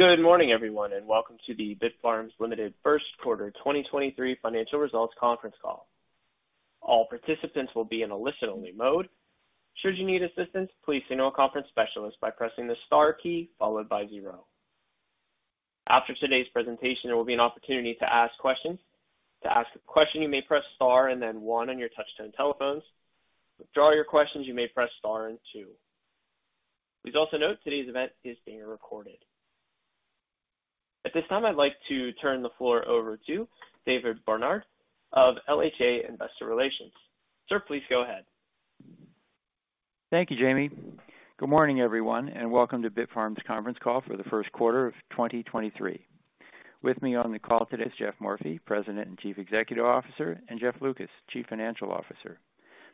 Good morning, everyone, welcome to the Bitfarms Ltd. first quarter 2023 financial results conference call. All participants will be in a listen only mode. Should you need assistance, please signal a conference specialist by pressing the star key followed by zero. After today's presentation, there will be an opportunity to ask questions. To ask a question, you may press star and then one on your touchtone telephones. To withdraw your questions, you may press star and two. Please also note, today's event is being recorded. At this time, I'd like to turn the floor over to David Barnard of LHA Investor Relations. Sir, please go ahead. Thank you, Jamie. Good morning, everyone, and welcome to Bitfarms conference call for the first quarter of 2023. With me on the call today is Geoffrey Morphy, President and Chief Executive Officer, and Jeff Lucas, Chief Financial Officer.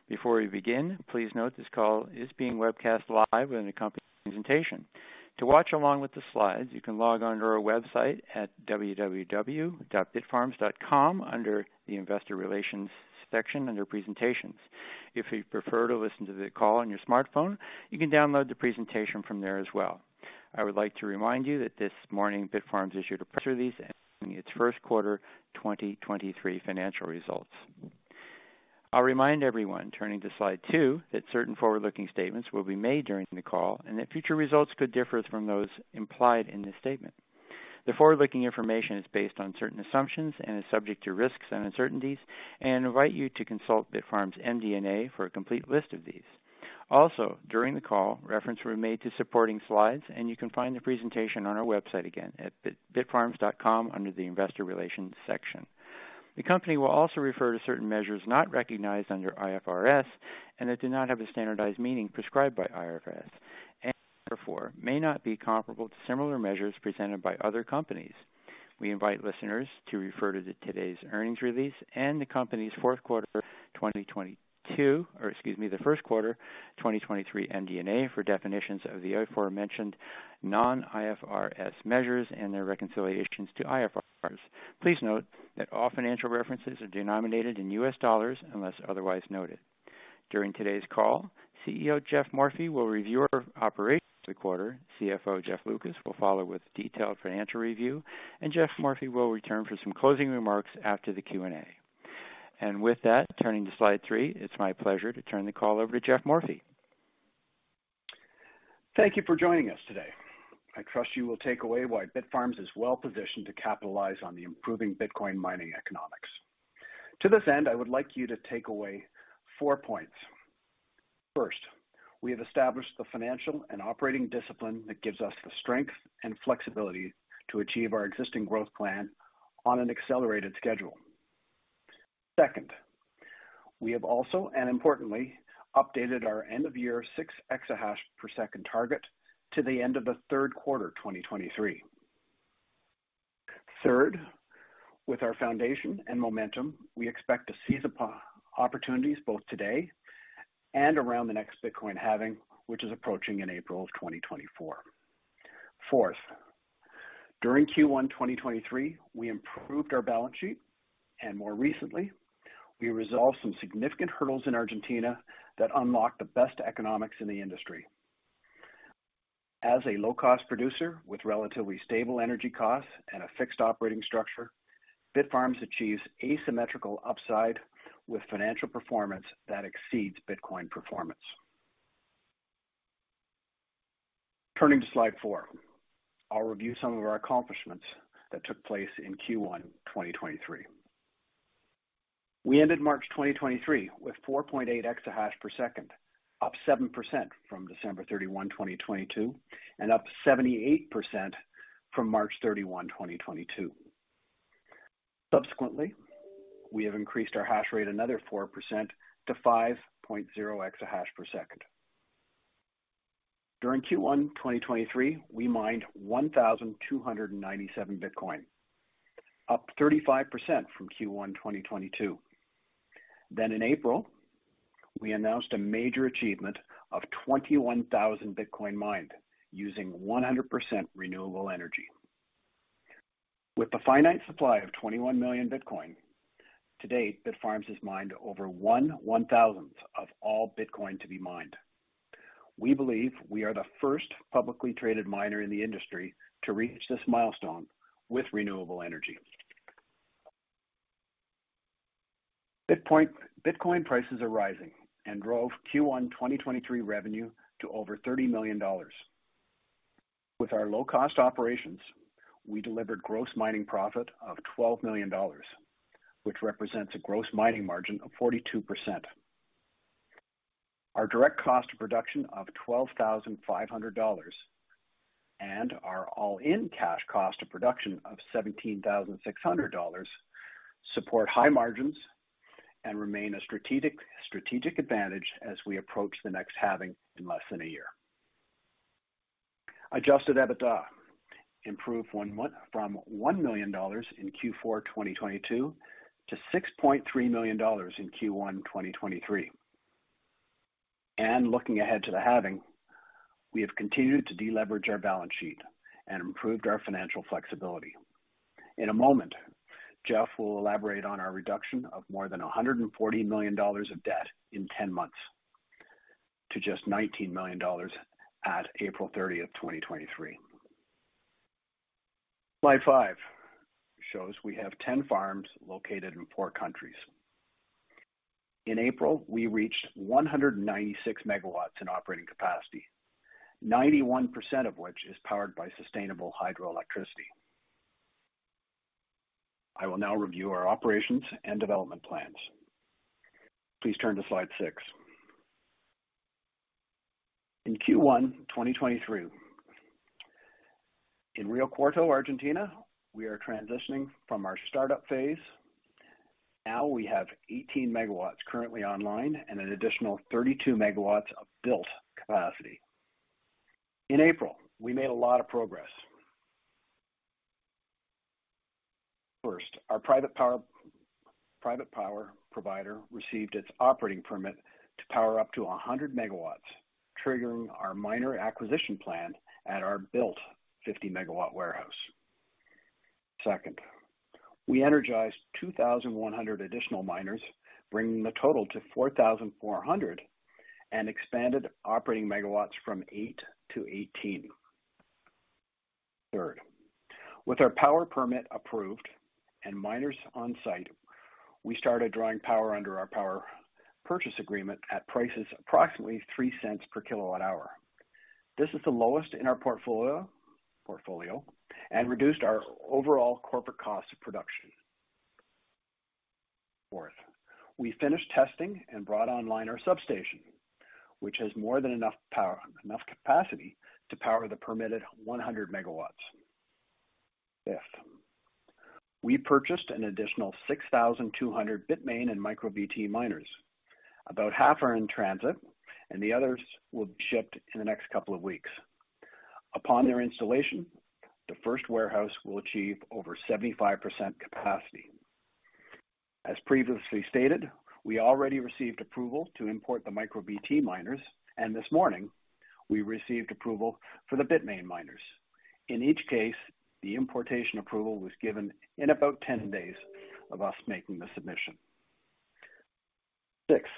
Before we begin, please note this call is being webcast live with an accompanying presentation. To watch along with the slides, you can log onto our website at www.bitfarms.com under the Investor Relations section, under Presentations. If you prefer to listen to the call on your smartphone, you can download the presentation from there as well. I would like to remind you that this morning Bitfarms issued a press release announcing its first quarter 2023 financial results. I'll remind everyone, turning to slide 2, that certain forward-looking statements will be made during the call and that future results could differ from those implied in this statement. The forward-looking information is based on certain assumptions and is subject to risks and uncertainties, invite you to consult Bitfarms MD&A for a complete list of these. Also, during the call, reference were made to supporting slides, you can find the presentation on our website again at www.bitfarms.com under the Investor Relations section. The company will also refer to certain measures not recognized under IFRS and that do not have the standardized meaning prescribed by IFRS and therefore may not be comparable to similar measures presented by other companies. We invite listeners to refer to today's earnings release and the company's first quarter 2023 MD&A for definitions of the aforementioned non-IFRS measures and their reconciliations to IFRSs. Please note that all financial references are denominated in U.S. dollars unless otherwise noted. During today's call, CEO Geoffrey Morphy will review our operations of the quarter. CFO Jeff Lucas will follow with detailed financial review. Geoffrey Morphy will return for some closing remarks after the Q&A. With that, turning to slide 3, it's my pleasure to turn the call over to Geoffrey Morphy. Thank you for joining us today. I trust you will take away why Bitfarms is well-positioned to capitalize on the improving Bitcoin mining economics. To this end, I would like you to take away four points. First, we have established the financial and operating discipline that gives us the strength and flexibility to achieve our existing growth plan on an accelerated schedule. Second, we have also and importantly updated our end of year 6 exahash per second target to the end of the third quarter 2023. Third, with our foundation and momentum, we expect to seize upon opportunities both today and around the next Bitcoin halving, which is approaching in April of 2024. Fourth, during Q1 2023, we improved our balance sheet, and more recently, we resolved some significant hurdles in Argentina that unlock the best economics in the industry. As a low-cost producer with relatively stable energy costs and a fixed operating structure, Bitfarms achieves asymmetrical upside with financial performance that exceeds Bitcoin performance. Turning to slide four, I'll review some of our accomplishments that took place in Q1 2023. We ended March 2023 with 4.8 exahash per second, up 7% from December 31, 2022, and up 78% from March 31, 2022. Subsequently, we have increased our hash rate another 4% to 5.0 exahash per second. During Q1 2023, we mined 1,297 Bitcoin, up 35% from Q1 2022. In April, we announced a major achievement of 21,000 Bitcoin mined using 100% renewable energy. With the finite supply of 21 million Bitcoin, to date, Bitfarms has mined over one one-thousandth of all Bitcoin to be mined. We believe we are the first publicly traded miner in the industry to reach this milestone with renewable energy. Bitcoin prices are rising and drove Q1 2023 revenue to over $30 million. With our low-cost operations, we delivered gross mining profit of $12 million, which represents a gross mining margin of 42%. Our direct cost of production of $12,500 and our all-in cash cost of production of $17,600 support high margins and remain a strategic advantage as we approach the next halving in less than a year. Adjusted EBITDA improved from $1 million in Q4 2022 to $6.3 million in Q1 2023. Looking ahead to the halving, we have continued to deleverage our balance sheet and improved our financial flexibility. In a moment, Jeff will elaborate on our reduction of more than $140 million of debt in 10 months to just $19 million at April 30, 2023. Slide 5 shows we have 10 farms located in 4 countries. In April, we reached 196 MW in operating capacity, 91% of which is powered by sustainable hydroelectricity. I will now review our operations and development plans. Please turn to slide 6. In Q1, 2023. In Río Cuarto, Argentina, we are transitioning from our startup phase. Now we have 18 MW currently online and an additional 32 MW of built capacity. In April, we made a lot of progress. First, our private power provider received its operating permit to power up to 100 MW, triggering our minor acquisition plan at our built 50-MW warehouse. Second, we energized 2,100 additional miners, bringing the total to 4,400 and expanded operating MW from 8 to 18. Third, with our power permit approved and miners on site, we started drawing power under our power purchase agreement at prices approximately 3 cents per kilowatt-hour. This is the lowest in our portfolio, and reduced our overall corporate cost of production. Fourth, we finished testing and brought online our substation, which has more than enough capacity to power the permitted 100 MW. Fifth, we purchased an additional 6,200 Bitmain and MicroBT miners. About half are in transit and the others will be shipped in the next couple of weeks. Upon their installation, the first warehouse will achieve over 75% capacity. As previously stated, we already received approval to import the MicroBT miners, and this morning we received approval for the Bitmain miners. In each case, the importation approval was given in about 10 days of us making the submission. 6.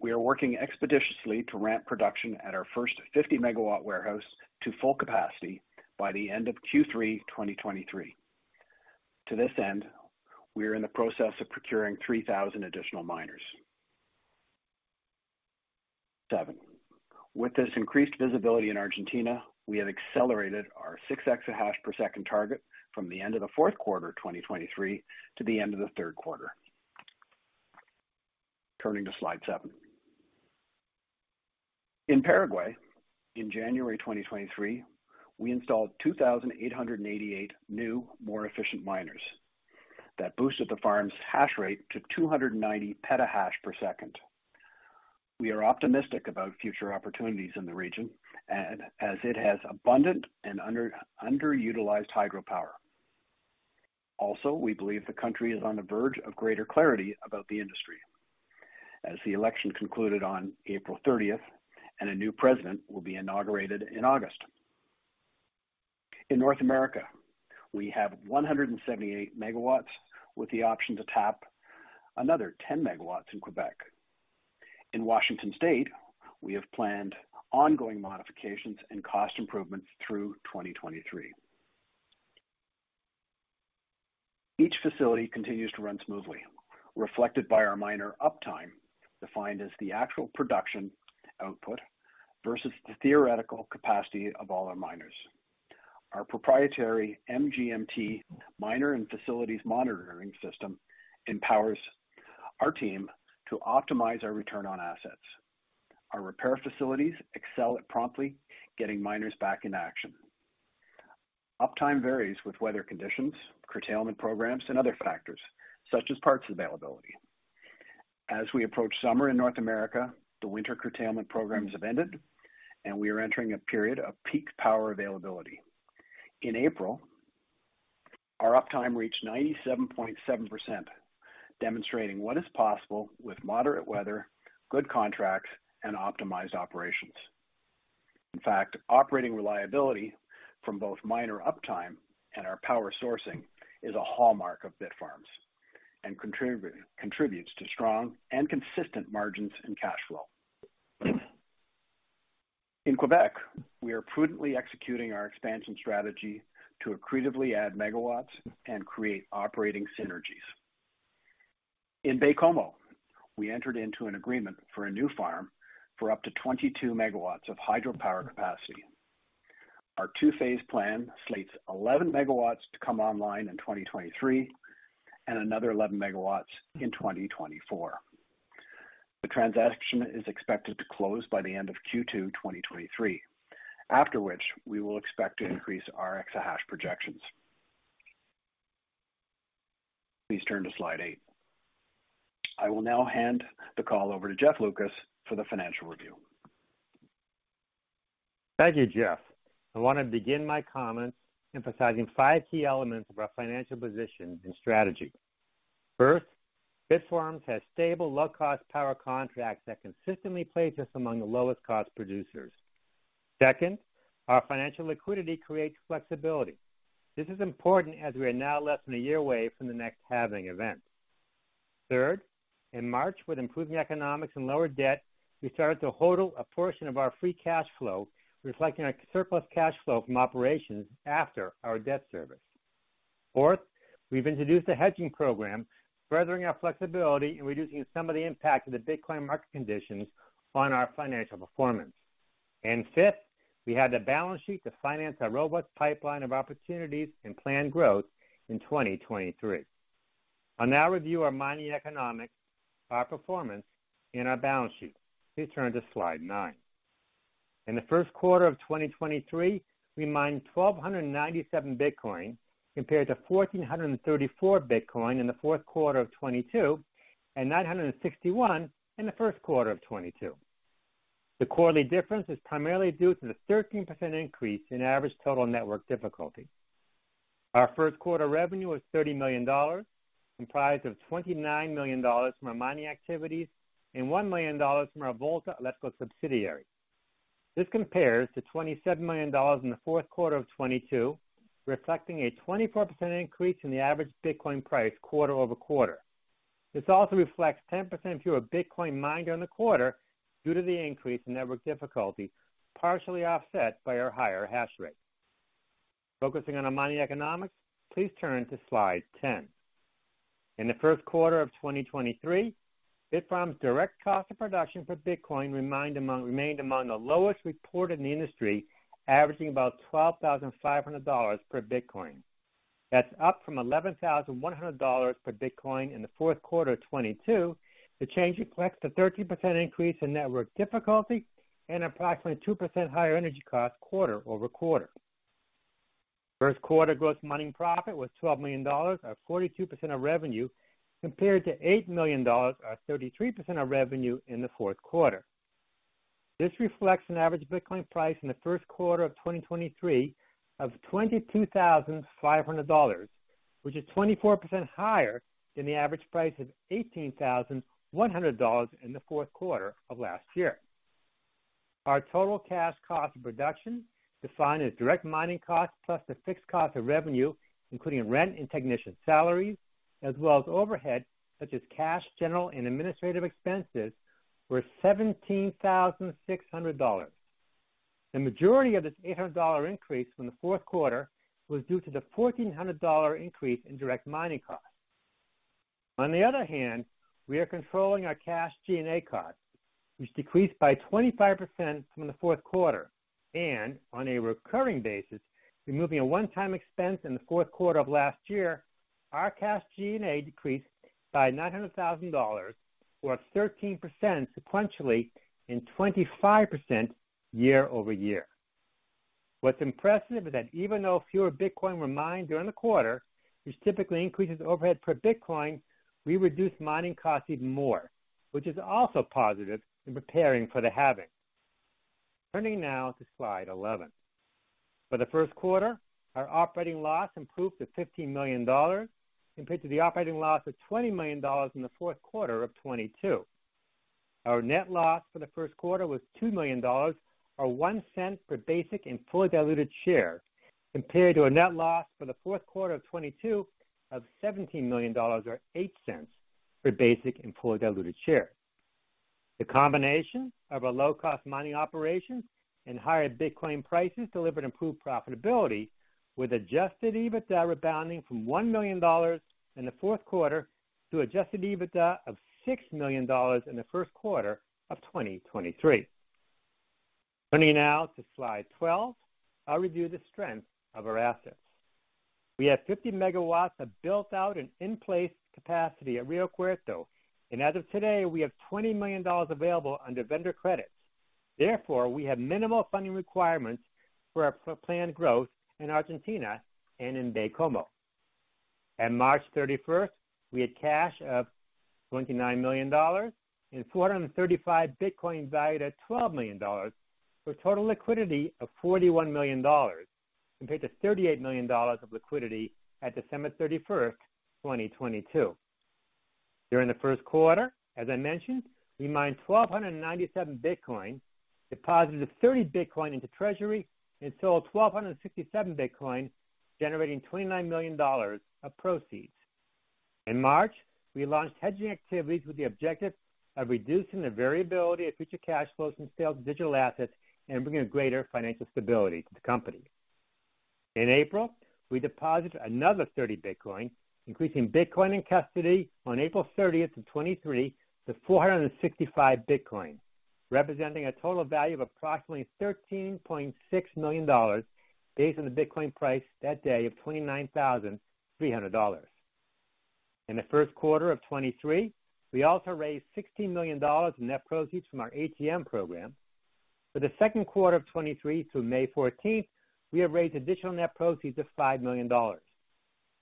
We are working expeditiously to ramp production at our first 50-MW warehouse to full capacity by the end of Q3, 2023. To this end, we are in the process of procuring 3,000 additional miners. 7. With this increased visibility in Argentina, we have accelerated our 6 exahash per second target from the end of the fourth quarter, 2023, to the end of the third quarter. Turning to slide 7. In Paraguay, in January 2023, we installed 2,888 new, more efficient miners that boosted the farm's hash rate to 290 petahash per second. We are optimistic about future opportunities in the region as it has abundant and underutilized hydropower. We believe the country is on the verge of greater clarity about the industry as the election concluded on April 30th and a new president will be inaugurated in August. In North America, we have 178 MW with the option to tap another 10 MW in Quebec. In Washington state, we have planned ongoing modifications and cost improvements through 2023. Each facility continues to run smoothly, reflected by our miner uptime, defined as the actual production output versus the theoretical capacity of all our miners. Our proprietary GPMG miner and facilities monitoring system empowers our team to optimize our return on assets. Our repair facilities excel at promptly getting miners back in action. Uptime varies with weather conditions, curtailment programs, and other factors such as parts availability. As we approach summer in North America, the winter curtailment programs have ended, and we are entering a period of peak power availability. In April, our uptime reached 97.7%, demonstrating what is possible with moderate weather, good contracts, and optimized operations. In fact, operating reliability from both miner uptime and our power sourcing is a hallmark of Bitfarms and contributes to strong and consistent margins and cash flow. In Quebec, we are prudently executing our expansion strategy to accretively add megawatts and create operating synergies. In Baie-Comeau, we entered into an agreement for a new farm for up to 22 MW of hydropower capacity. Our two-phase plan slates 11 MW to come online in 2023 and another 11 MW in 2024. The transaction is expected to close by the end of Q2 2023. After which we will expect to increase our exahash projections. Please turn to slide 8. I will now hand the call over to Jeff Lucas for the financial review. Thank you, Jeff. I want to begin my comments emphasizing five key elements of our financial position and strategy. First, Bitfarms has stable, low-cost power contracts that consistently place us among the lowest cost producers. Second, our financial liquidity creates flexibility. This is important as we are now less than one year away from the next halving event. Third, in March, with improving economics and lower debt, we started to HODL a portion of our free cash flow, reflecting our surplus cash flow from operations after our debt service. Fourth, we've introduced a hedging program, furthering our flexibility in reducing some of the impact of the Bitcoin market conditions on our financial performance. Fifth, we have the balance sheet to finance our robust pipeline of opportunities and planned growth in 2023. I'll now review our mining economics, our performance, and our balance sheet. Please turn to slide nine. In the first quarter of 2023, we mined 1,297 Bitcoin, compared to 1,434 Bitcoin in the fourth quarter of 2022, and 961 in the first quarter of 2022. The quarterly difference is primarily due to the 13% increase in average total network difficulty. Our first quarter revenue was $30 million, comprised of $29 million from our mining activities and $1 million from our Volta Electric subsidiary. This compares to $27 million in the fourth quarter of 2022, reflecting a 24% increase in the average Bitcoin price quarter-over-quarter. This also reflects 10% fewer Bitcoin mined during the quarter due to the increase in network difficulty, partially offset by our higher hash rate. Focusing on our mining economics, please turn to slide 10. In the first quarter of 2023, Bitfarms' direct cost of production for Bitcoin remained among the lowest reported in the industry, averaging about $12,500 per Bitcoin. That's up from $11,100 per Bitcoin in the fourth quarter of 2022. The change reflects the 13% increase in network difficulty and approximately 2% higher energy costs quarter-over-quarter. First quarter gross mining profit was $12 million, or 42% of revenue, compared to $8 million, or 33% of revenue in the fourth quarter. This reflects an average Bitcoin price in the first quarter of 2023 of $22,500, which is 24% higher than the average price of $18,100 in the fourth quarter of last year. Our total cash cost of production, defined as direct mining costs plus the fixed cost of revenue, including rent and technician salaries, as well as overhead, such as cash, general, and administrative expenses, were $17,600. The majority of this $800 increase from the fourth quarter was due to the $1,400 increase in direct mining costs. On the other hand, we are controlling our cash G&A costs, which decreased by 25% from the fourth quarter, and on a recurring basis, removing a one-time expense in the fourth quarter of last year, our cash G&A decreased by $900,000, or 13% sequentially, and 25% year-over-year. What's impressive is that even though fewer Bitcoin were mined during the quarter, which typically increases overhead per Bitcoin, we reduced mining costs even more, which is also positive in preparing for the halving. Turning now to slide 11. For the first quarter, our operating loss improved to $15 million compared to the operating loss of $20 million in the fourth quarter of 2022. Our net loss for the first quarter was $2 million, or $0.01 per basic and fully diluted share, compared to a net loss for the fourth quarter of 2022 of $17 million, or $0.08 per basic and fully diluted share. The combination of our low-cost mining operations and higher Bitcoin prices delivered improved profitability, with adjusted EBITDA rebounding from $1 million in the fourth quarter to adjusted EBITDA of $6 million in the first quarter of 2023. Turning now to slide 12. I'll review the strength of our assets. We have 50 MW of built-out and in-place capacity at Río Cuarto, and as of today, we have $20 million available under vendor credits. Therefore, we have minimal funding requirements for our planned growth in Argentina and in Baie-Comeau. At March 31st, we had cash of $29 million and 435 Bitcoin valued at $12 million, for total liquidity of $41 million, compared to $38 million of liquidity at December 31st, 2022. During the first quarter, as I mentioned, we mined 1,297 Bitcoin, deposited 30 Bitcoin into treasury, and sold 1,267 Bitcoin, generating $29 million of proceeds. In March, we launched hedging activities with the objective of reducing the variability of future cash flows from sales of digital assets and bringing greater financial stability to the company. In April, we deposited another 30 Bitcoin, increasing Bitcoin in custody on April 30th of 2023 to 465 Bitcoin, representing a total value of approximately $13.6 million based on the Bitcoin price that day of $29,300. In the first quarter of 2023, we also raised $16 million in net proceeds from our ATM program. For the second quarter of 2023 through May 14th, we have raised additional net proceeds of $5 million.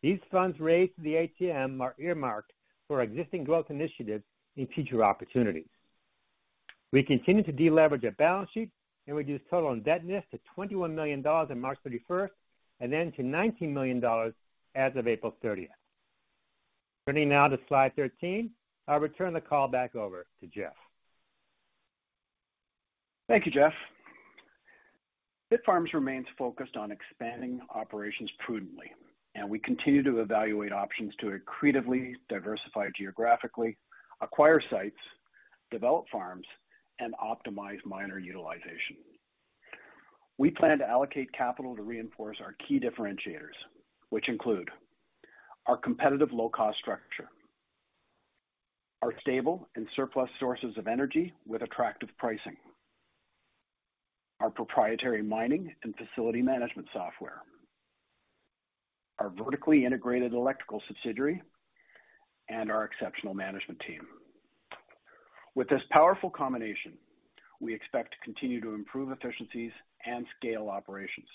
These funds raised through the ATM are earmarked for existing growth initiatives and future opportunities. We continue to deleverage our balance sheet and reduce total indebtedness to $21 million on March 31st, and then to $19 million as of April 30th. Turning now to slide 13. I'll return the call back over to Geoff. Thank you, Jeff. Bitfarms remains focused on expanding operations prudently, we continue to evaluate options to accretively diversify geographically, acquire sites, develop farms, and optimize miner utilization. We plan to allocate capital to reinforce our key differentiators, which include our competitive low-cost structure, our stable and surplus sources of energy with attractive pricing, our proprietary mining and facility management software, our vertically integrated electrical subsidiary, and our exceptional management team. With this powerful combination, we expect to continue to improve efficiencies and scale operations.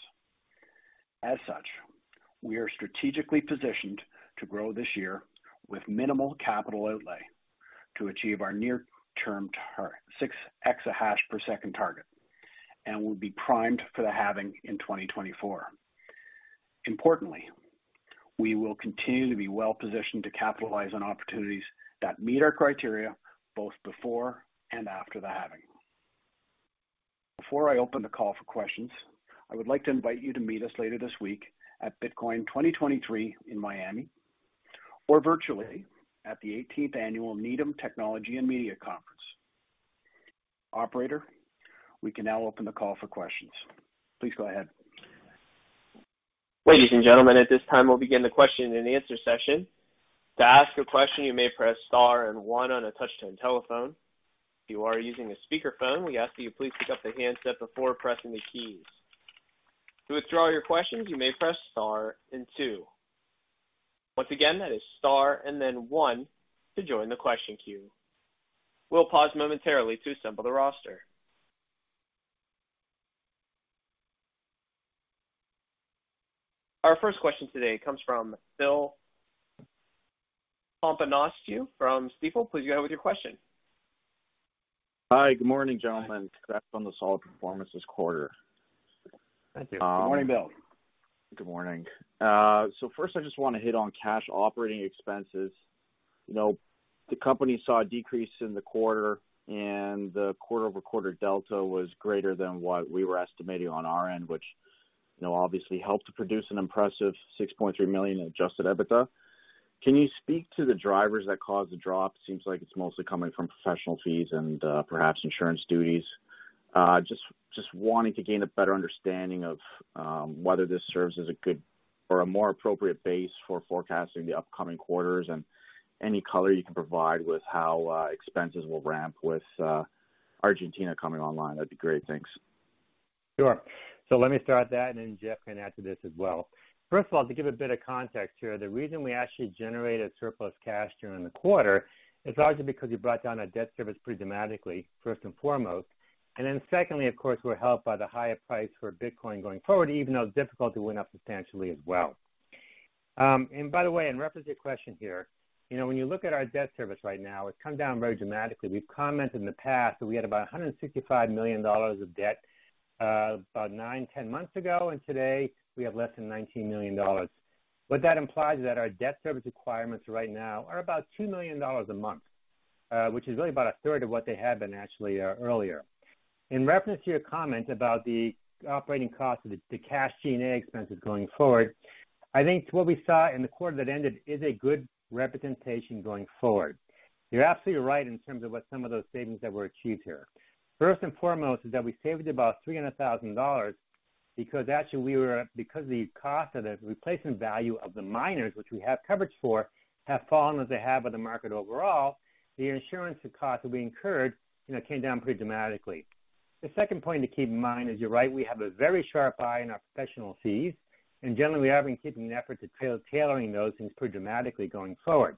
As such, we are strategically positioned to grow this year with minimal capital outlay to achieve our near-term 6 exahash per second target and will be primed for the halving in 2024. Importantly, we will continue to be well-positioned to capitalize on opportunities that meet our criteria both before and after the halving. Before I open the call for questions, I would like to invite you to meet us later this week at Bitcoin 2023 in Miami or virtually at the 18th annual Needham Technology & Media Conference. Operator, we can now open the call for questions. Please go ahead. Ladies and gentlemen, at this time, we'll begin the question and answer session. To ask a question, you may press Star and one on a touch-tone telephone. If you are using a speakerphone, we ask that you please pick up the handset before pressing the keys. To withdraw your questions, you may press Star and two. Once again, that is Star and then one to join the question queue. We'll pause momentarily to assemble the roster. Our first question today comes from Bill Papanastasiou from Stifel. Please go ahead with your question. Hi. Good morning, gentlemen. Hi. Congrats on the solid performance this quarter. Thank you. Good morning, Bill. Good morning. First, I just wanna hit on cash operating expenses. You know, the company saw a decrease in the quarter, and the quarter-over-quarter delta was greater than what we were estimating on our end, which, you know, obviously helped to produce an impressive $6.3 million adjusted EBITDA. Can you speak to the drivers that caused the drop? Seems like it's mostly coming from professional fees and perhaps insurance duties. Just wanting to gain a better understanding of whether this serves as a good or a more appropriate base for forecasting the upcoming quarters and any color you can provide with how expenses will ramp with Argentina coming online. That'd be great. Thanks. Let me start that, and then Geoff can add to this as well. First of all, to give a bit of context here, the reason we actually generated surplus cash during the quarter is largely because you brought down our debt service pretty dramatically, first and foremost. Secondly, of course, we're helped by the higher price for Bitcoin going forward, even though difficulty went up substantially as well. By the way, in reference to your question here, you know, when you look at our debt service right now, it's come down very dramatically. We've commented in the past that we had about $165 million of debt, about 9, 10 months ago, and today we have less than $19 million. What that implies is that our debt service requirements right now are about $2 million a month, which is really about a third of what they had been actually, earlier. In reference to your comment about the operating costs of the cash G&A expenses going forward, I think what we saw in the quarter that ended is a good representation going forward. You're absolutely right in terms of what some of those savings that were achieved here. First and foremost is that we saved about $300,000 because actually because the cost of the replacement value of the miners, which we have coverage for, have fallen as they have of the market overall, the insurance costs that we incurred, you know, came down pretty dramatically. The second point to keep in mind is, you're right, we have a very sharp eye in our professional fees. Generally, we have been keeping an effort to tailoring those things pretty dramatically going forward.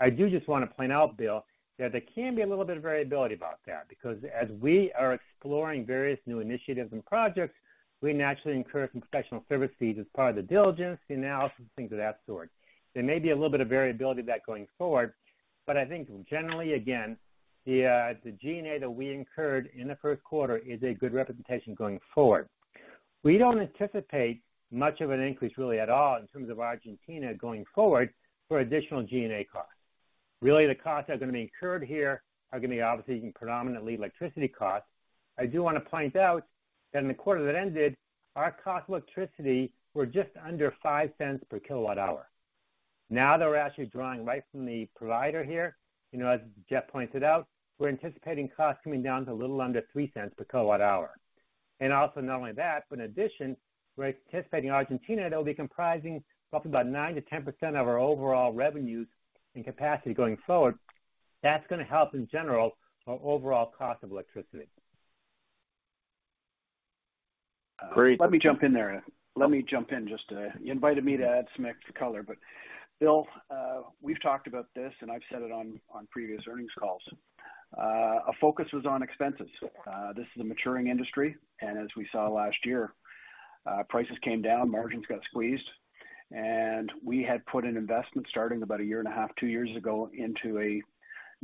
I do just wanna point out, Bill, that there can be a little bit of variability about that, because as we are exploring various new initiatives and projects, we naturally incur some professional service fees as part of the diligence, the analysis, things of that sort. There may be a little bit of variability of that going forward. I think generally, again, the G&A that we incurred in the first quarter is a good representation going forward. We don't anticipate much of an increase really at all in terms of Argentina going forward for additional G&A costs. Really, the costs that are gonna be incurred here are gonna be obviously predominantly electricity costs. I do wanna point out that in the quarter that ended, our cost of electricity were just under $0.05 per kilowatt-hour. Now that we're actually drawing right from the provider here, you know, as Geoff pointed out, we're anticipating costs coming down to a little under $0.03 per kilowatt-hour. Also not only that, but in addition, we're anticipating Argentina, that will be comprising roughly about 9%-10% of our overall revenues and capacity going forward. That's gonna help in general our overall cost of electricity. Great. Let me jump in there. Let me jump in. You invited me to add some extra color. Bill, we've talked about this, and I've said it on previous earnings calls. A focus was on expenses. This is a maturing industry, and as we saw last year, prices came down, margins got squeezed. We had put an investment starting about a year and a half, 2 years ago into a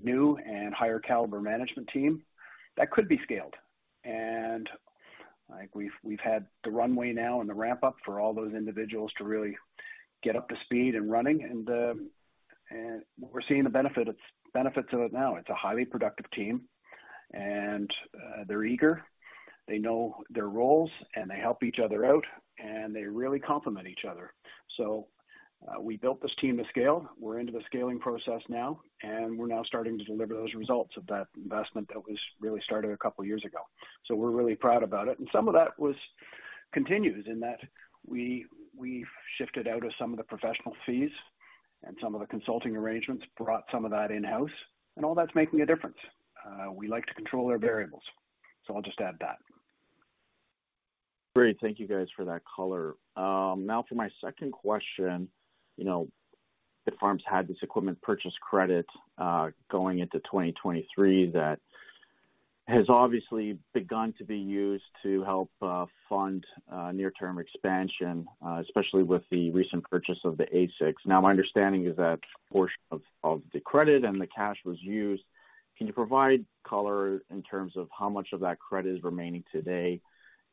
new and higher caliber management team that could be scaled. I think we've had the runway now and the ramp up for all those individuals to really get up to speed and running. And we're seeing the benefits of it now. It's a highly productive team, and they're eager, they know their roles, and they help each other out, and they really complement each other. We built this team to scale. We're into the scaling process now, and we're now starting to deliver those results of that investment that was really started a couple of years ago. We're really proud about it. And some of that was continued in that we've shifted out of some of the professional fees and some of the consulting arrangements, brought some of that in-house, and all that's making a difference. We like to control our variables. I'll just add that. Great. Thank you guys for that color. Now for my second question. You know, Bitfarms had this equipment purchase credit going into 2023 that has obviously begun to be used to help fund near-term expansion, especially with the recent purchase of the ASICs. Now, my understanding is that portion of the credit and the cash was used. Can you provide color in terms of how much of that credit is remaining today?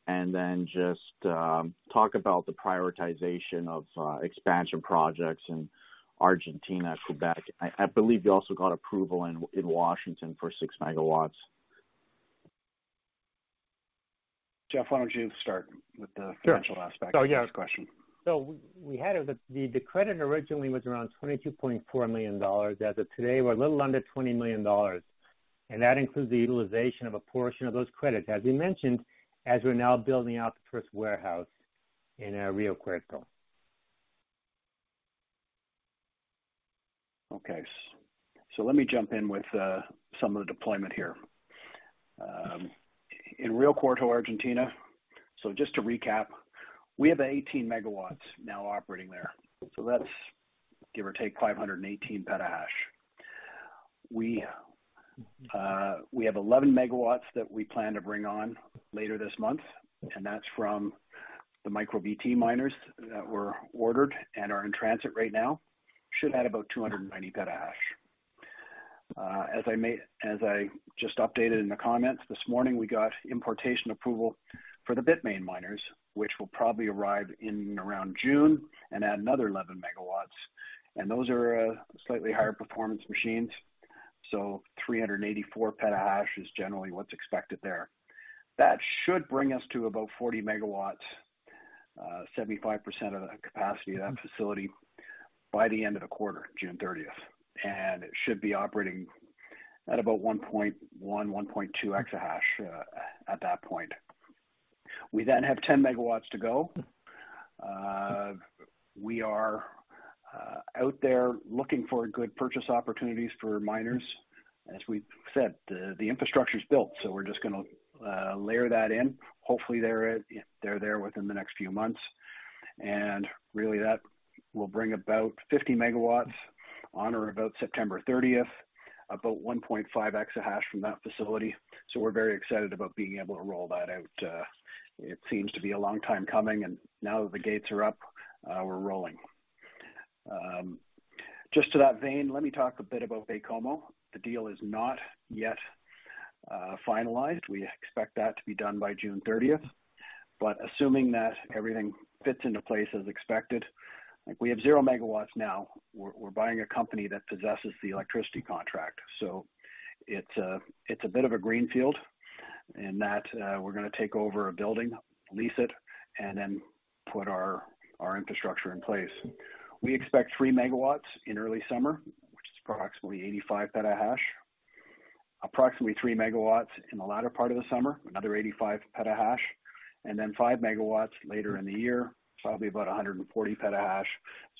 Then just talk about the prioritization of expansion projects in Argentina, Quebec. I believe you also got approval in Washington for 6 MW. Jeff, why don't you start with. Sure. Financial aspect of this question. We had it. The credit originally was around $22.4 million. As of today, we're a little under $20 million, and that includes the utilization of a portion of those credits, as we mentioned, as we're now building out the first warehouse in Río Cuarto. Let me jump in with some of the deployment here. In Río Cuarto, Argentina, just to recap, we have 18 MW now operating there. That's give or take 518 petahash. We have 11 MW that we plan to bring on later this month, and that's from the MicroBT miners that were ordered and are in transit right now. Should add about 290 petahash. As I just updated in the comments this morning, we got importation approval for the Bitmain miners, which will probably arrive in around June and add another 11 MW. Those are slightly higher performance machines, 384 petahash is generally what's expected there. That should bring us to about 40 MW, 75% of the capacity of that facility by the end of the quarter, June 30th. It should be operating at about 1.1-1.2 exahash at that point. We have 10 MW to go. We are out there looking for good purchase opportunities for miners. As we've said, the infrastructure is built, so we're just gonna layer that in. Hopefully they're there within the next few months. Really that will bring about 50 MW on or about September 30th, about 1.5 exahash from that facility. We're very excited about being able to roll that out. It seems to be a long time coming, and now that the gates are up, we're rolling. Just to that vein, let me talk a bit about Baie-Comeau. The deal is not yet finalized. We expect that to be done by June thirtieth. Assuming that everything fits into place as expected, we have 0 MW now. We're buying a company that possesses the electricity contract, so it's a bit of a greenfield in that we're gonna take over a building, lease it, and then put our infrastructure in place. We expect 3 MW in early summer, which is approximately 85 petahash, approximately 3 MW in the latter part of the summer, another 85 petahash, and then 5 MW later in the year. That'll be about 140 petahash,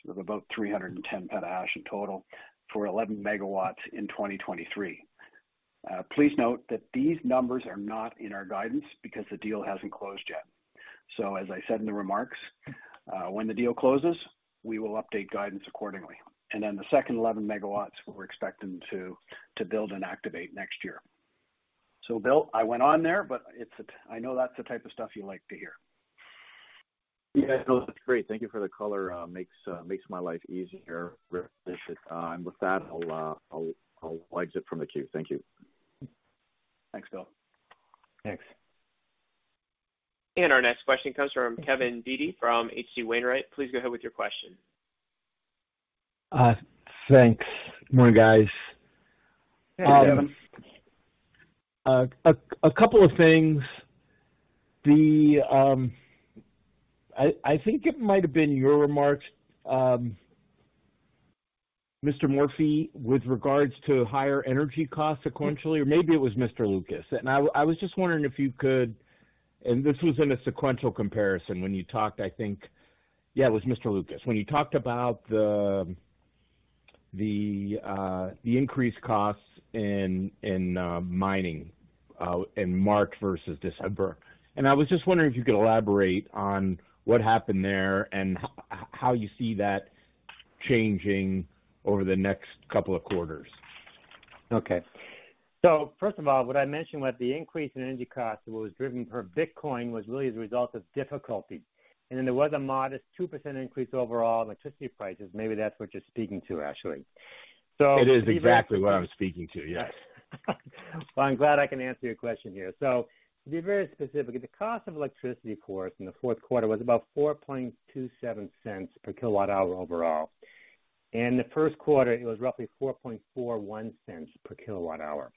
sort of about 310 petahash in total for 11 MW in 2023. Please note that these numbers are not in our guidance because the deal hasn't closed yet. As I said in the remarks, when the deal closes, we will update guidance accordingly. Then the second 11 MW, we're expecting to build and activate next year. Bill, I went on there, but I know that's the type of stuff you like to hear. Yeah. No, that's great. Thank you for the color. Makes my life easier. Appreciate it. With that, I'll exit from the queue. Thank you. Thanks, Bill. Thanks. Our next question comes from Kevin Dede from H.C. Wainwright. Please go ahead with your question. Thanks. Morning, guys. Hey, Kevin. A couple of things. The... I think it might have been your remarks, Mr. Morphy, with regards to higher energy costs sequentially, or maybe it was Mr. Lucas. I was just wondering if you could. This was in a sequential comparison when you talked, I think. Yeah, it was Mr. Lucas. When you talked about the increased costs in mining in March versus December. I was just wondering if you could elaborate on what happened there and how you see that changing over the next couple of quarters. Okay. First of all, what I mentioned about the increase in energy costs that was driven per Bitcoin was really as a result of difficulty. There was a modest 2% increase overall in electricity prices. Maybe that's what you're speaking to, actually. It is exactly what I was speaking to. Yes. Well, I'm glad I can answer your question here. To be very specific, the cost of electricity, of course, in the fourth quarter was about $0.0427 per kilowatt-hour overall. In the first quarter, it was roughly $0.0441 per kilowatt-hour.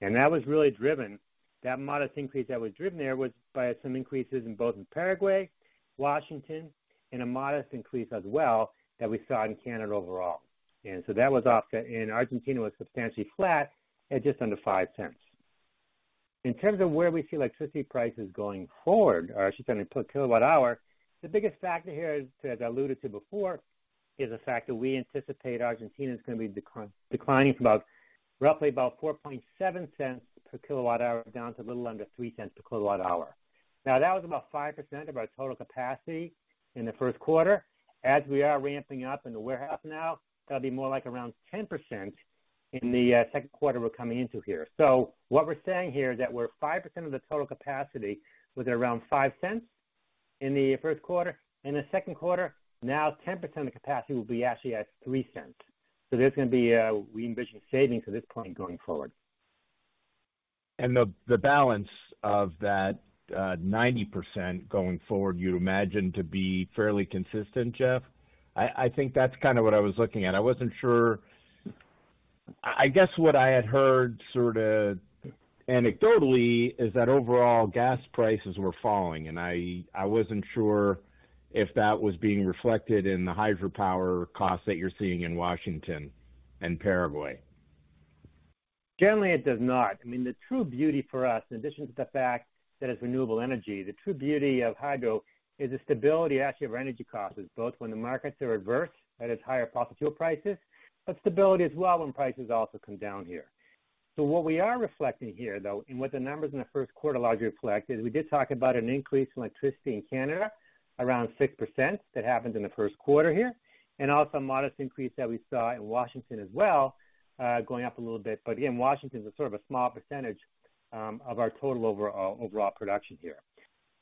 That modest increase that was driven there was by some increases in both in Paraguay, Washington, and a modest increase as well that we saw in Canada overall. Argentina was substantially flat at just under $0.05. In terms of where we see electricity prices going forward or excuse me, per kilowatt-hour, the biggest factor here is, as I alluded to before, is the fact that we anticipate Argentina is going to be declining from about roughly about $0.047 per kilowatt-hour down to a little under $0.03 per kilowatt-hour. Now, that was about 5% of our total capacity in the first quarter. As we are ramping up in the warehouse now, that'll be more like around 10% in the second quarter we're coming into here. What we're saying here is that we're 5% of the total capacity with around $0.05 in the first quarter. In the second quarter, now 10% of capacity will be actually at $0.03. There's going to be, we envision savings at this point going forward. The balance of that 90% going forward, you'd imagine to be fairly consistent, Jeff? I think that's kind of what I was looking at. I wasn't sure. I guess what I had heard sort of anecdotally is that overall gas prices were falling, and I wasn't sure if that was being reflected in the hydropower costs that you're seeing in Washington and Paraguay. Generally, it does not. I mean, the true beauty for us, in addition to the fact that it's renewable energy, the true beauty of hydro is the stability actually of our energy costs, both when the markets are adverse, that is higher fossil fuel prices, but stability as well when prices also come down here. What we are reflecting here, though, and what the numbers in the first quarter largely reflect, is we did talk about an increase in electricity in Canada around 6%. That happened in the first quarter here. Also a modest increase that we saw in Washington as well, going up a little bit. Again, Washington is a sort of a small percentage of our total overall production here.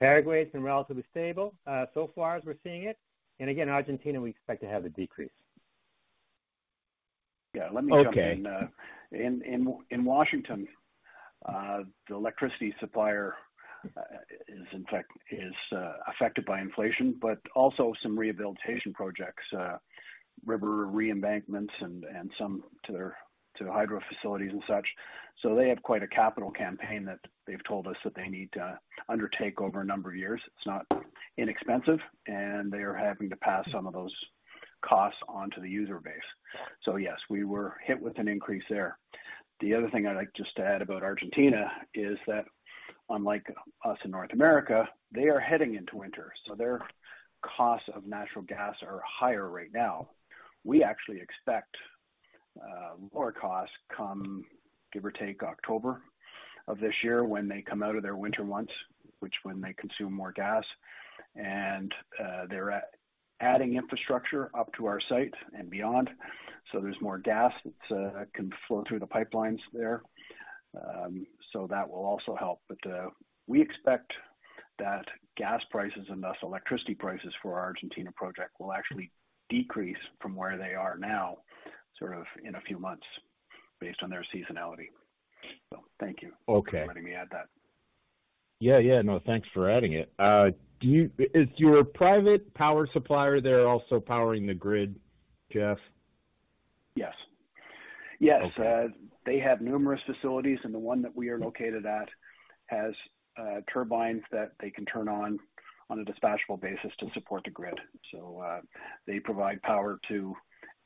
Paraguay has been relatively stable so far as we're seeing it. Again, Argentina, we expect to have a decrease. Yeah. Let me jump in. Okay. In Washington, the electricity supplier is in fact affected by inflation, but also some rehabilitation projects, river re-embankments and some to their hydro facilities and such. They have quite a capital campaign that they've told us that they need to undertake over a number of years. It's not inexpensive, and they are having to pass some of those costs on to the user base. Yes, we were hit with an increase there. The other thing I'd like just to add about Argentina is that unlike us in North America, they are heading into winter, so their costs of natural gas are higher right now. We actually expect lower costs come, give or take October of this year when they come out of their winter months, which when they consume more gas and they're adding infrastructure up to our site and beyond. There's more gas that's that can flow through the pipelines there. That will also help. We expect that gas prices and thus electricity prices for our Argentina project will actually decrease from where they are now, sort of in a few months based on their seasonality. Thank you. Okay. for letting me add that. Yeah, yeah. No, thanks for adding it. Is your private power supplier there also powering the grid, Geoff? Yes. Yes. Okay. They have numerous facilities, and the one that we are located at has turbines that they can turn on on a dispatchable basis to support the grid. They provide power to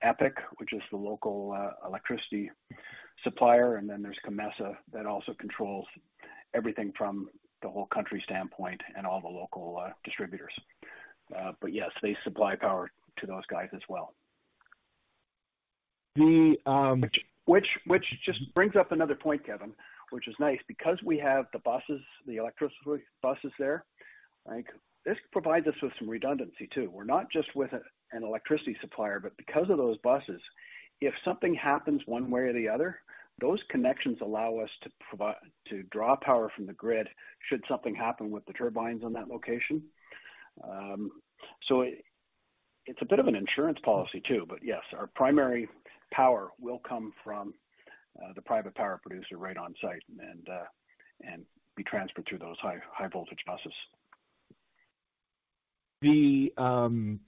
EPEC, which is the local electricity supplier. Then there's CAMMESA that also controls everything from the whole country standpoint and all the local distributors. Yes, they supply power to those guys as well. The, um- Which just brings up another point, Kevin Dede, which is nice because we have the buses, the electricity buses there, like, this provides us with some redundancy too. We're not just with an electricity supplier, but because of those buses, if something happens one way or the other, those connections allow us to draw power from the grid should something happen with the turbines on that location. It's a bit of an insurance policy too. Yes, our primary power will come from the private power producer right on site and be transferred through those high voltage buses. The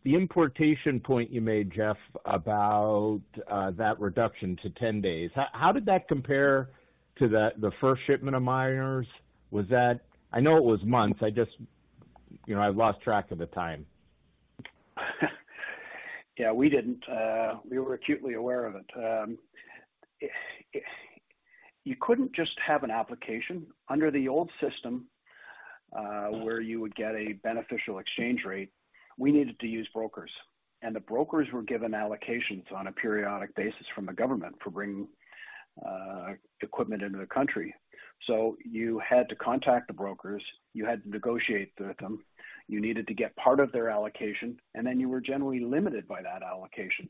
importation point you made, Geoff, about that reduction to 10 days. How did that compare to the first shipment of miners? I know it was months. I just, you know, I lost track of the time. Yeah, we didn't. We were acutely aware of it. You couldn't just have an application. Under the old system, where you would get a beneficial exchange rate, we needed to use brokers, and the brokers were given allocations on a periodic basis from the government for bringing equipment into the country. You had to contact the brokers, you had to negotiate with them, you needed to get part of their allocation, and then you were generally limited by that allocation.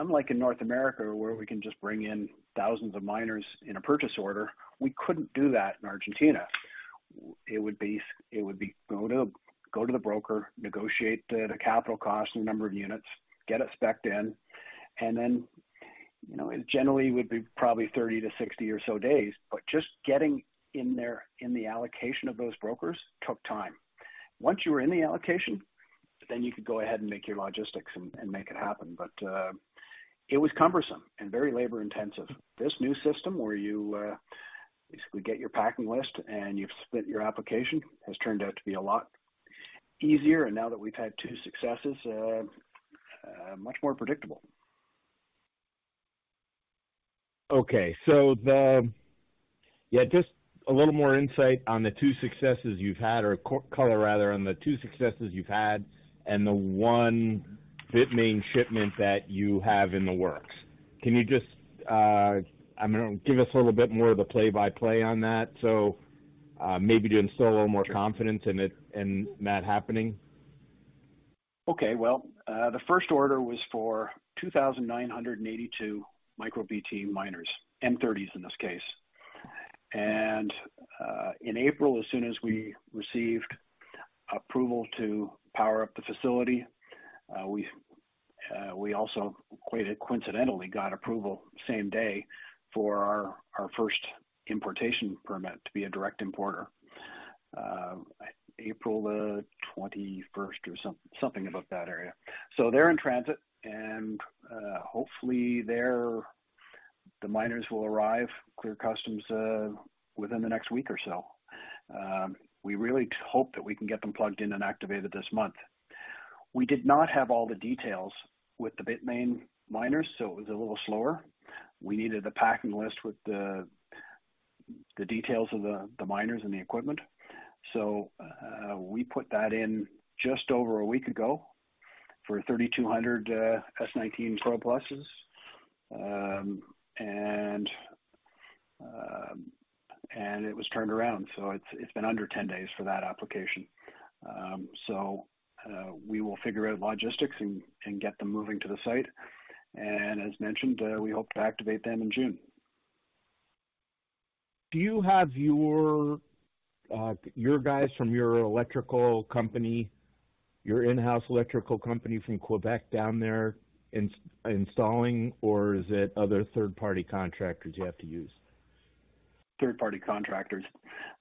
Unlike in North America, where we can just bring in thousands of miners in a purchase order, we couldn't do that in Argentina. It would be go to the broker, negotiate the capital cost and the number of units, get it spec'd in, and then, you know, it generally would be probably 30 to 60 or so days, but just getting in there in the allocation of those brokers took time. Once you were in the allocation, then you could go ahead and make your logistics and make it happen. It was cumbersome and very labor-intensive. This new system where you basically get your packing list and you've split your application has turned out to be a lot easier, and now that we've had two successes, much more predictable. Yeah, just a little more insight on the two successes you've had or co-color rather, on the two successes you've had and the one Bitmain shipment that you have in the works. Can you just, I mean, give us a little bit more of the play-by-play on that so, maybe to instill a little more confidence in it and that happening? Okay. Well, the first order was for 2,982 MicroBT miners, M30S in this case. In April, as soon as we received approval to power up the facility, we also quite coincidentally got approval same day for our first importation permit to be a direct importer, April the 21st or something about that area. They're in transit and, hopefully the miners will arrive, clear customs, within the next week or so. We really hope that we can get them plugged in and activated this month. We did not have all the details with the Bitmain miners, so it was a little slower. We needed a packing list with the details of the miners and the equipment. We put that in just over a week ago for 3,200 S19 Pro+s, and it was turned around. It's been under 10 days for that application. We will figure out logistics and get them moving to the site. As mentioned, we hope to activate them in June. Do you have your guys from your electrical company, your in-house electrical company from Quebec down there installing or is it other third-party contractors you have to use? Third-party contractors.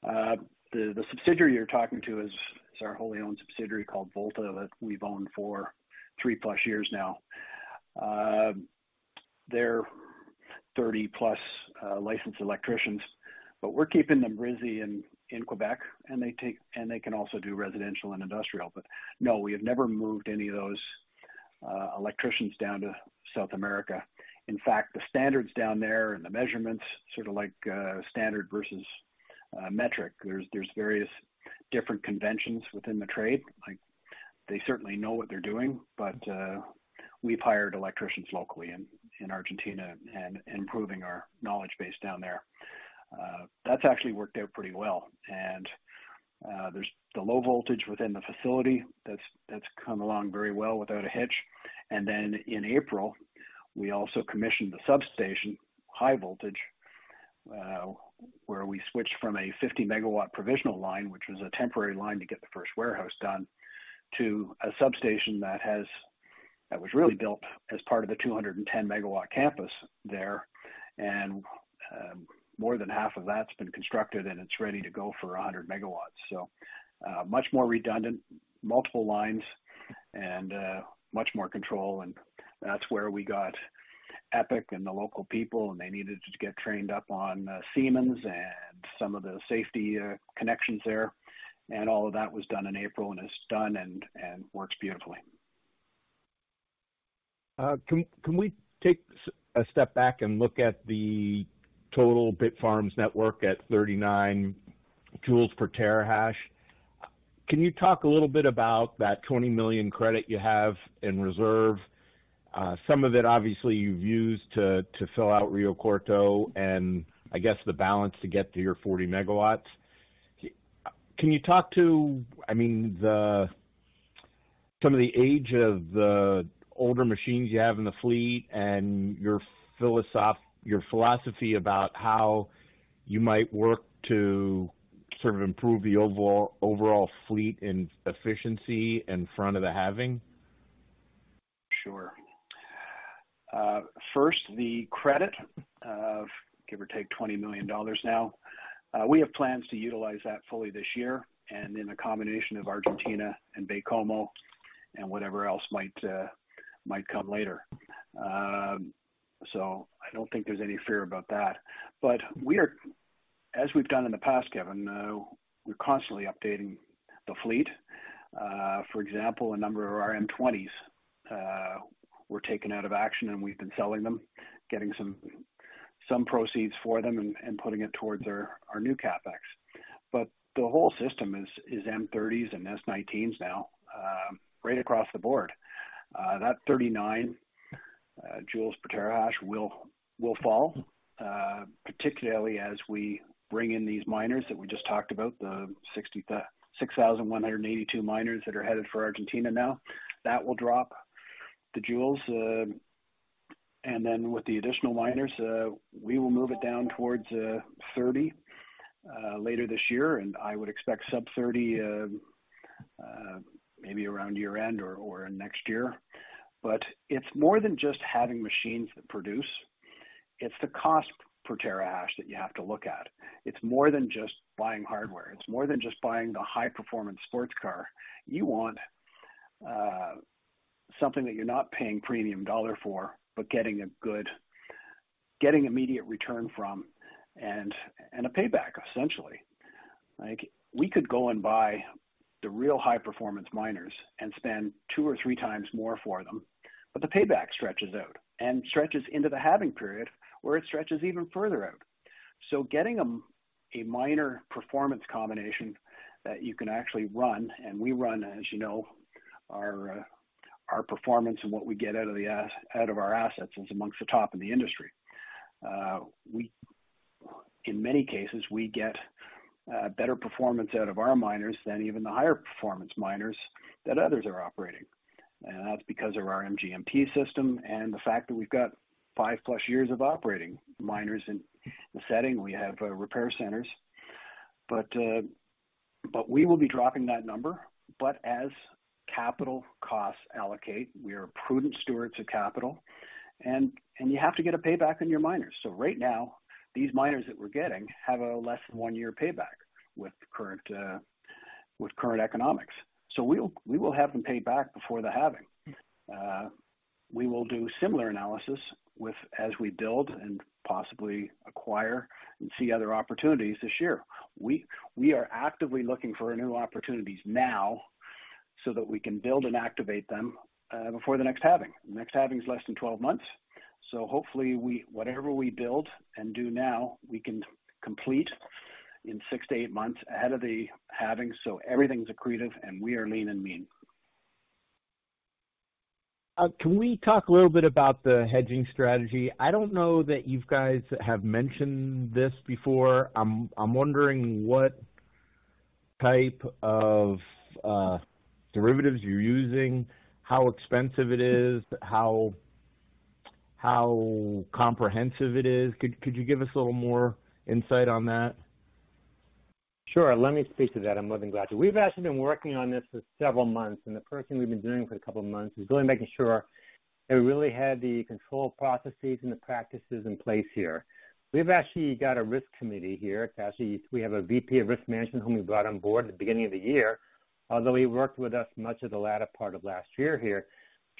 The subsidiary you're talking to is our wholly-owned subsidiary called Volta that we've owned for 3-plus years now. They're 30-plus licensed electricians, but we're keeping them busy in Quebec, and they can also do residential and industrial. No, we have never moved any of those electricians down to South America. In fact, the standards down there and the measurements sort of like standard versus metric. There's various different conventions within the trade. Like, they certainly know what they're doing, but we've hired electricians locally in Argentina and improving our knowledge base down there. That's actually worked out pretty well. There's the low voltage within the facility that's come along very well without a hitch. In April, we also commissioned the substation high voltage, where we switched from a 50MW provisional line, which was a temporary line to get the first warehouse done, to a substation that was really built as part of the 210-MW campus there. More than half of that's been constructed and it's ready to go for 100 MW. Much more redundant, multiple lines and much more control, and that's where we got EPEC and the local people, and they needed to get trained up on Siemens and some of the safety connections there. All of that was done in April, and it's done and works beautifully. Can we take a step back and look at the total Bitfarms network at 39 joules per terahash? Can you talk a little bit about that $20 million credit you have in reserve? Some of it obviously you've used to fill out Río Cuarto and I guess the balance to get to your 40 MW. Can you talk to, I mean, some of the age of the older machines you have in the fleet and your philosophy about how you might work to sort of improve the overall fleet and efficiency in front of the halving? Sure. First, the credit of give or take $20 million now. We have plans to utilize that fully this year, and in a combination of Argentina and Baie-Comeau and whatever else might come later. I don't think there's any fear about that. As we've done in the past, Kevin, we're constantly updating the fleet. For example, a number of our M20s were taken out of action and we've been selling them, getting some proceeds for them and putting it towards our new CapEx. The whole system is M30s and S19s now, right across the board. That 39 joules per terahash will fall particularly as we bring in these miners that we just talked about, the 6,182 miners that are headed for Argentina now. That will drop the joules. Then with the additional miners, we will move it down towards 30 later this year, and I would expect sub 30 maybe around year-end or next year. It's more than just having machines that produce. It's the cost per terahash that you have to look at. It's more than just buying hardware. It's more than just buying the high performance sports car. You want something that you're not paying premium dollar for, but getting immediate return from and a payback, essentially. We could go and buy the real high performance miners and spend two or three times more for them, but the payback stretches out and stretches into the halving period where it stretches even further out. Getting a minor performance combination that you can actually run, and we run, as you know, our performance and what we get out of our assets is amongst the top in the industry. In many cases, we get better performance out of our miners than even the higher performance miners that others are operating. That's because of our GPMG system and the fact that we've got 5+ years of operating miners in the setting. We have repair centers. We will be dropping that number. As capital costs allocate, we are prudent stewards of capital. And you have to get a payback on your miners. Right now, these miners that we're getting have a less than one year payback with current, with current economics. We will have them paid back before the halving. We will do similar analysis as we build and possibly acquire and see other opportunities this year. We are actively looking for new opportunities now so that we can build and activate them before the next halving. The next halving is less than 12 months. Hopefully whatever we build and do now, we can complete in six to eight months ahead of the halving. Everything's accretive and we are lean and mean. Can we talk a little bit about the hedging strategy? I don't know that you guys have mentioned this before. I'm wondering what type of derivatives you're using, how expensive it is, how comprehensive it is. Could you give us a little more insight on that? Sure. Let me speak to that. I'm more than glad to. We've actually been working on this for several months. The first thing we've been doing for a couple of months is really making sure that we really had the control processes and the practices in place here. We've actually got a risk committee here. We have a VP of risk management whom we brought on board at the beginning of the year, although he worked with us much of the latter part of last year here,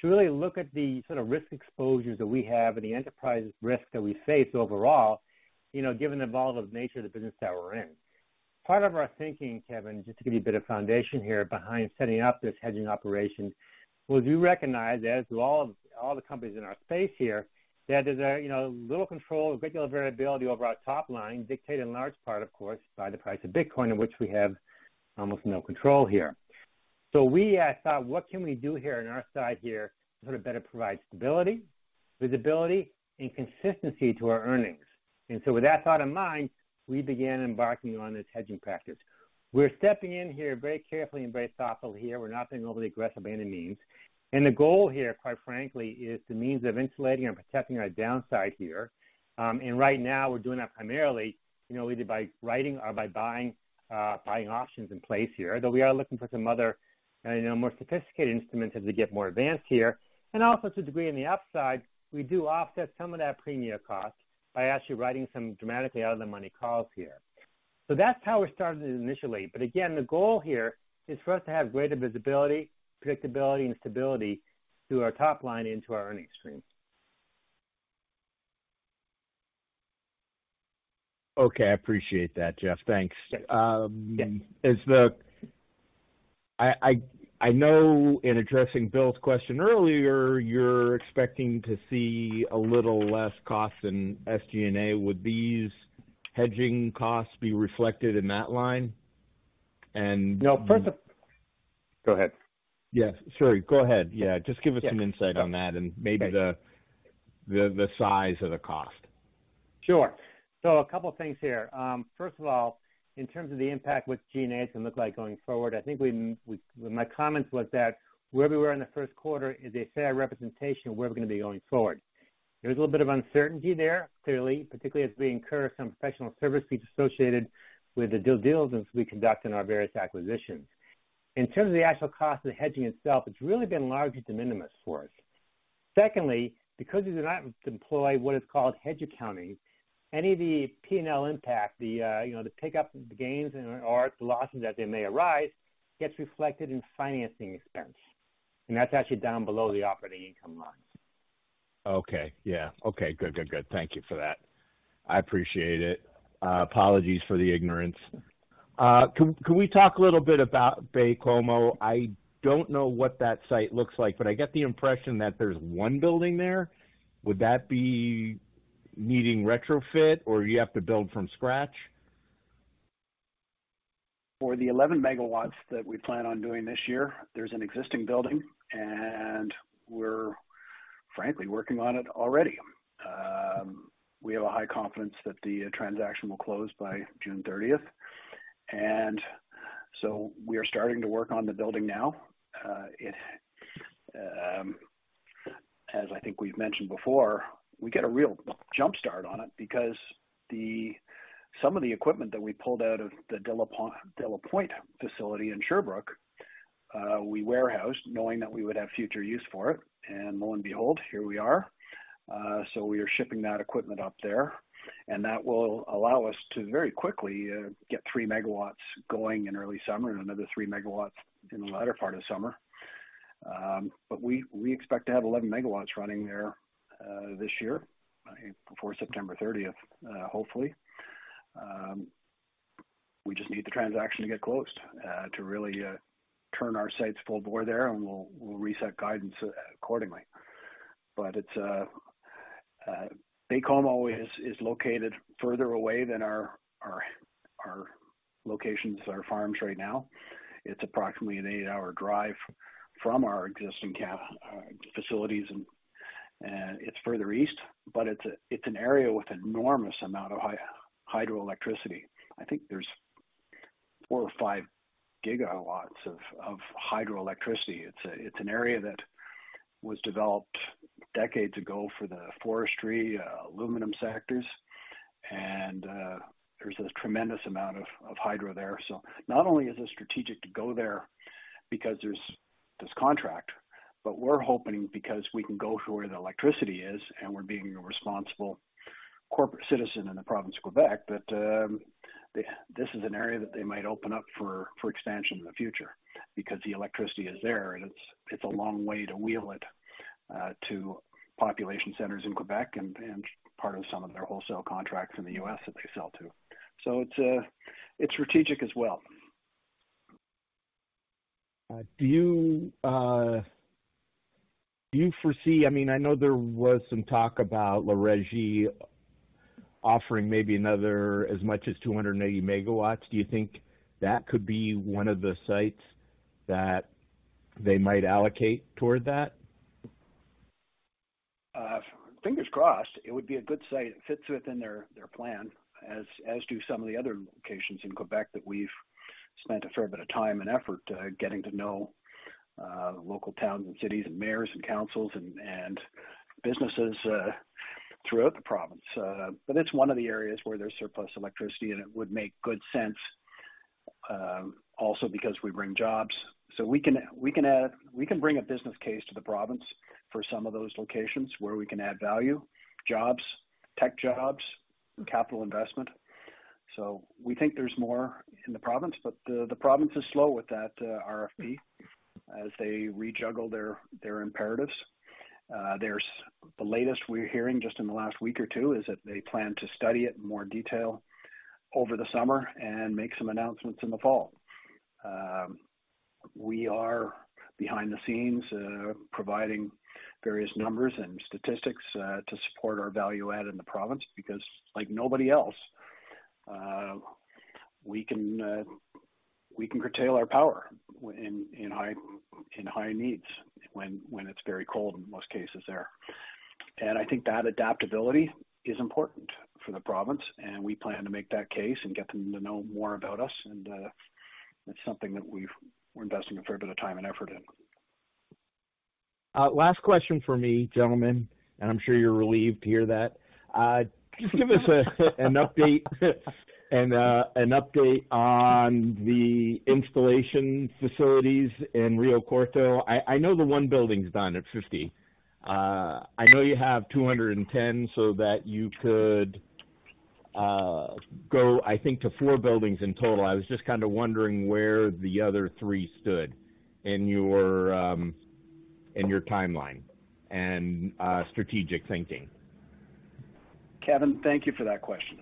to really look at the sort of risk exposures that we have and the enterprise risk that we face overall, you know, given the volatile nature of the business that we're in. Part of our thinking, Kevin, just to give you a bit of foundation here behind setting up this hedging operation, was we recognize, as do all the companies in our space here, that there's, you know, little control, regular variability over our top line, dictated in large part, of course, by the price of Bitcoin, in which we have almost no control here. We thought, what can we do here on our side here to sort of better provide stability, visibility, and consistency to our earnings? With that thought in mind, we began embarking on this hedging practice. We're stepping in here very carefully and very thoughtfully here. We're not being overly aggressive by any means. The goal here, quite frankly, is the means of insulating or protecting our downside here. Right now, we're doing that primarily, you know, either by writing or by buying options in place here, though we are looking for some other, you know, more sophisticated instruments as we get more advanced here. Also to a degree in the upside, we do offset some of that premium cost by actually writing some dramatically out of the money calls here. That's how we started it initially. Again, the goal here is for us to have greater visibility, predictability, and stability through our top line into our earnings streams. Okay. I appreciate that, Jeff. Thanks. Yeah. I know in addressing Bill's question earlier, you're expecting to see a little less cost in SG&A. Would these hedging costs be reflected in that line? No. Go ahead. Yes, sure. Go ahead. Yeah, just give us some insight on that and maybe the size of the cost. Sure. A couple of things here. First of all, in terms of the impact what G&A is gonna look like going forward, I think we My comments was that where we were in the first quarter is a fair representation of where we're gonna be going forward. There's a little bit of uncertainty there, clearly, particularly as we incur some professional service fees associated with the due diligence we conduct in our various acquisitions. In terms of the actual cost of the hedging itself, it's really been largely de minimis for us. Secondly, because we do not employ what is called hedge accounting, any of the P&L impact, the, you know, the pick up, the gains or the losses as they may arise, gets reflected in financing expense. That's actually down below the operating income line. Okay. Yeah. Okay, good, good. Thank you for that. I appreciate it. Apologies for the ignorance. Can we talk a little bit about Baie-Comeau? I don't know what that site looks like, but I get the impression that there's one building there. Would that be needing retrofit or you have to build from scratch? For the 11 MW that we plan on doing this year, there's an existing building. We're frankly working on it already. We have a high confidence that the transaction will close by June 30th. We are starting to work on the building now. It, as I think we've mentioned before, we get a real jump start on it because some of the equipment that we pulled out of the de la Pointe facility in Sherbrooke, we warehoused knowing that we would have future use for it. Lo and behold, here we are. We are shipping that equipment up there, and that will allow us to very quickly get 3 MW going in early summer and another 3 MW in the latter part of summer. We expect to have 11 MW running there this year, before September 30th, hopefully. We just need the transaction to get closed to really turn our sites full bore there and we'll reset guidance accordingly. It's Baie-Comeau is located further away than our locations, our farms right now. It's approximately an 8-hour drive from our existing facilities and it's further east, but it's an area with enormous amount of hydroelectricity. I think there's 4 or 5 gigawatts of hydroelectricity. It's an area that was developed decades ago for the forestry, aluminum sectors. There's a tremendous amount of hydro there. Not only is it strategic to go there because there's this contract, but we're hoping because we can go to where the electricity is, and we're being a responsible corporate citizen in the province of Quebec, that this is an area that they might open up for expansion in the future because the electricity is there and it's a long way to wheel it to population centers in Quebec and part of some of their wholesale contracts in the US that they sell to. It's strategic as well. Do you foresee, I mean, I know there was some talk about Régie de l'énergie offering maybe another as much as 280 MW. Do you think that could be one of the sites that they might allocate toward that? Fingers crossed, it would be a good site. It fits within their plan, as do some of the other locations in Quebec that we've spent a fair bit of time and effort, getting to know, local towns and cities and mayors and councils and businesses throughout the province. It's one of the areas where there's surplus electricity, and it would make good sense, also because we bring jobs. We can bring a business case to the province for some of those locations where we can add value, jobs, tech jobs, and capital investment. We think there's more in the province, but the province is slow with that RFP as they rejuggle their imperatives. There's the latest we're hearing just in the last week or two, is that they plan to study it in more detail over the summer and make some announcements in the fall. We are behind the scenes, providing various numbers and statistics, to support our value add in the province because like nobody else, we can curtail our power in high needs when it's very cold in most cases there. I think that adaptability is important for the province, and we plan to make that case and get them to know more about us. That's something that we're investing a fair bit of time and effort in. Last question for me, gentlemen. I'm sure you're relieved to hear that. Just give us an update, an update on the installation facilities in Río Cuarto. I know the one building's done at 50. I know you have 210 so that you could go, I think, to four buildings in total. I was just kind of wondering where the other three stood in your timeline and strategic thinking. Kevin, thank you for that question.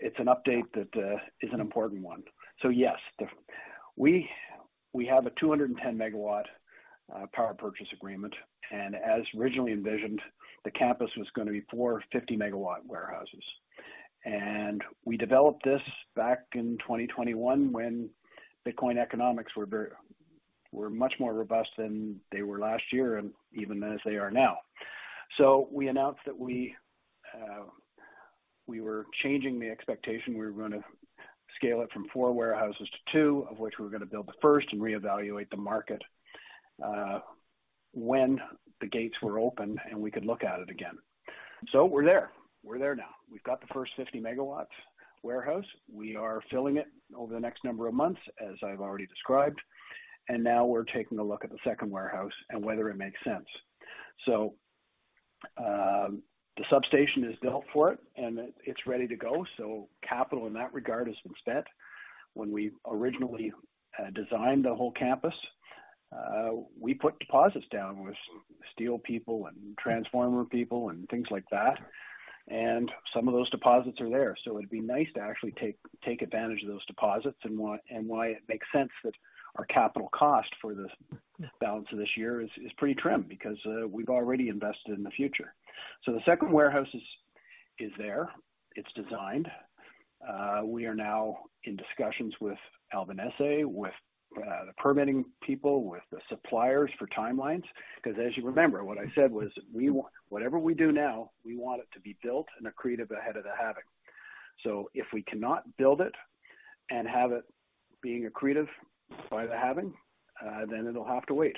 It's an update that is an important one. Yes, we have a 210 MW power purchase agreement, as originally envisioned, the campus was gonna be 4 50-MW warehouses. We developed this back in 2021 when Bitcoin economics were much more robust than they were last year and even as they are now. We announced that we were changing the expectation. We were gonna scale it from 4 warehouses to 2, of which we were gonna build the first and reevaluate the market when the gates were open, and we could look at it again. We're there. We're there now. We've got the first 50 MW warehouse. We are filling it over the next number of months, as I've already described. Now we're taking a look at the second warehouse and whether it makes sense. The substation is built for it and it's ready to go, so capital in that regard is spent. When we originally designed the whole campus, we put deposits down with steel people and transformer people and things like that, and some of those deposits are there. It'd be nice to actually take advantage of those deposits and why it makes sense that our capital cost for this balance of this year is pretty trim because we've already invested in the future. The second warehouse is there, it's designed. We are now in discussions with Albanesi, with the permitting people, with the suppliers for timelines, 'cause as you remember, what I said was whatever we do now, we want it to be built and accretive ahead of the halving. If we cannot build it and have it being accretive by the halving, then it'll have to wait.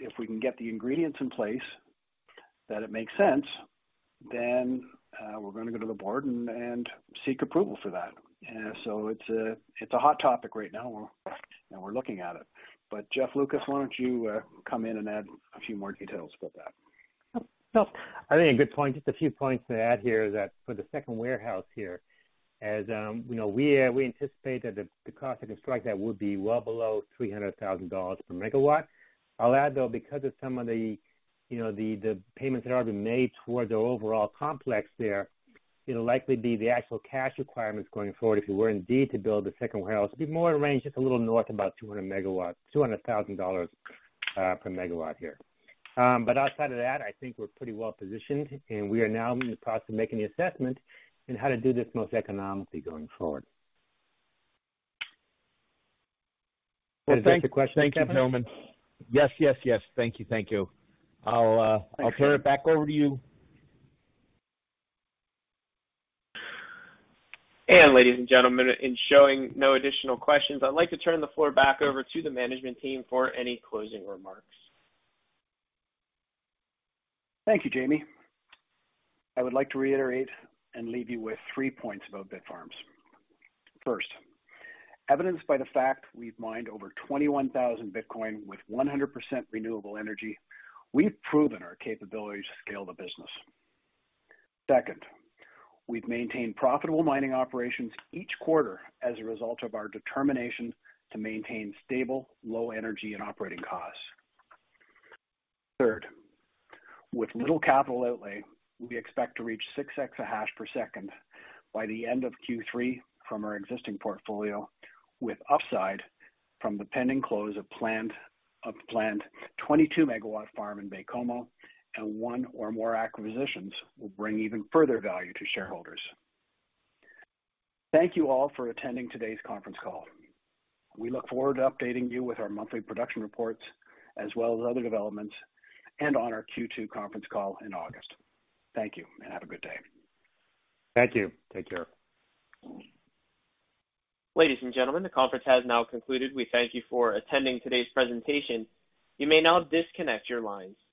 If we can get the ingredients in place that it makes sense, then we're gonna go to the board and seek approval for that. It's a hot topic right now, and we're looking at it. Jeff Lucas, why don't you come in and add a few more details about that? Sure. I think a good point. Just a few points to add here that for the second warehouse here, as, you know, we anticipate that the cost to construct that would be well below $300,000 perMW. I'll add, though, because of some of the, you know, the payments that are being made towards the overall complex there, it'll likely be the actual cash requirements going forward, if we were indeed to build the second warehouse, it'd be more in range, just a little north, about $200,000 per megawatt here. Outside of that, I think we're pretty well-positioned, and we are now in the process of making the assessment in how to do this most economically going forward. Well. Does that answer the question, Kevin? Thank you, gentlemen. Yes, yes. Thank you. Thank you. I'll turn it back over to you. Ladies and gentlemen, in showing no additional questions, I'd like to turn the floor back over to the management team for any closing remarks. Thank you, Jamie. I would like to reiterate and leave you with 3 points about Bitfarms. First, evidenced by the fant we've mined over 21,000 Bitcoin with 100% renewable energy, we've proven our capability to scale the business. Second, we've maintained profitable mining operations each quarter as a result of our determination to maintain stable, low energy and operating costs. Third, with little capital outlay, we expect to reach 6 exahash per second by the end of Q3 from our existing portfolio, with upside from the pending close of planned 22 MW farm in Baie-Comeau, and 1 or more acquisitions will bring even further value to shareholders. Thank you all for attending today's conference call. We look forward to updating you with our monthly production reports as well as other developments and on our Q2 conference call in August. Thank you, and have a good day. Thank you. Take care. Ladies and gentlemen, the conference has now concluded. We thank you for attending today's presentation. You may now disconnect your lines.